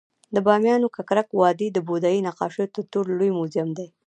د بامیانو ککرک وادي د بودايي نقاشیو تر ټولو لوی موزیم دی